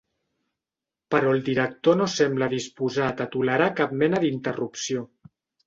Però el director no sembla disposat a tolerar cap mena d'interrupció.